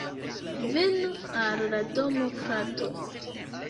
Venu al la domo, frato